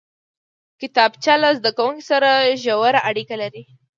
کتابچه له زده کوونکي سره ژوره اړیکه لري